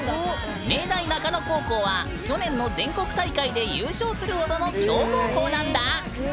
明大中野高校は去年の全国大会で優勝するほどの強豪校なんだ。